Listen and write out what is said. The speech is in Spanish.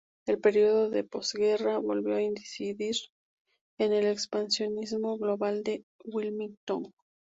El período de postguerra volvió a incidir en el expansionismo global de Wilmington.